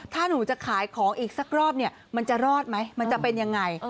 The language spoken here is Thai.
ถ้าหนูจะขายของอีกสักรอบเนี่ยมันจะรอดไหมมันจะเป็นยังไง